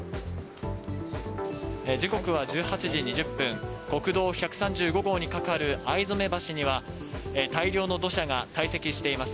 時刻は１８時２０分、国道１３５号に架かる逢初橋には、大量の土砂が堆積しています。